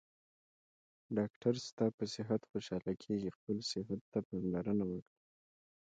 ډاکټر ستاپه صحت خوشحاله کیږي خپل صحته پاملرنه وکړه